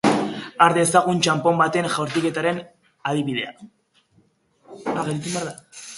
Har dezagun txanpon baten jaurtiketaren adibidea.